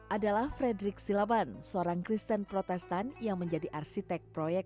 adalah frederick silaban seorang kristen protestan yang menjadi arsitek proyek